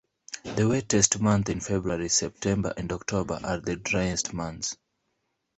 The wettest month is February; September and October are the driest months.